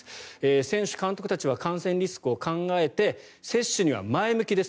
選手・監督たちは感染リスクを考えて接種には前向きです。